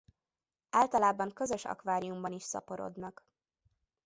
Általában közös akváriumban is szaporodnak.